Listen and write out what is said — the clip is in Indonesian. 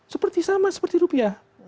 seperti sama seperti rupiah